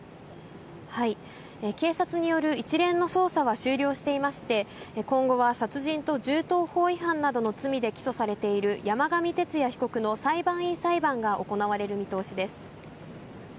警察による一連の捜査は終了していまして、今後は殺人と銃刀法違反などの罪で起訴されている、山上徹也被告の裁判員裁判が行われる見通しです。